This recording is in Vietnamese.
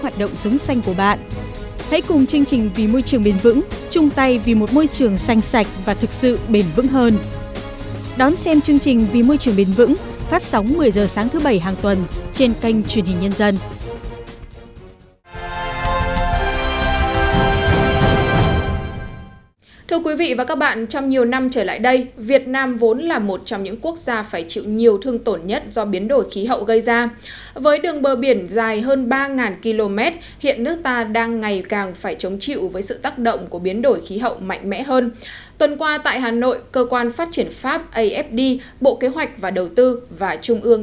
một mươi h sáng thứ bảy hàng tuần trên kênh truyền hình nhân dân